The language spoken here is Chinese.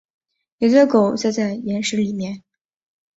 有条狗塞在岩石里面